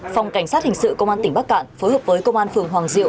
phòng cảnh sát hình sự công an tỉnh bắc cạn phối hợp với công an phường hoàng diệu